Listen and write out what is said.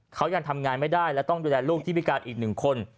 เขายังทำงานไม่ได้และต้องดูแลลูกที่พิการอีกหนึ่งคน